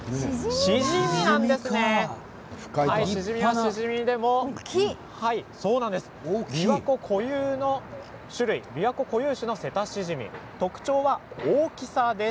シジミはシジミでもびわ湖固有の種類びわ湖固有種のセタシジミです。